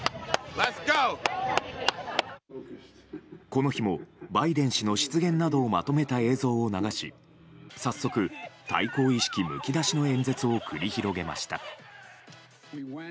この日も、バイデン氏の失言などをまとめた映像を流し早速、対抗意識むき出しの演説を繰り広げました。